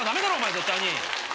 絶対に。